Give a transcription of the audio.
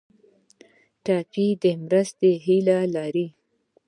ټپي د مرستې هیله لري.